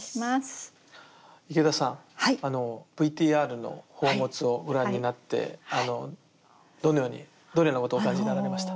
池田さんＶＴＲの宝物をご覧になってどのようにどのようなことお感じになられました？